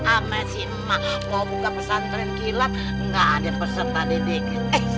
amai si emak mau buka pesantren kilat nggak ada peserta dedek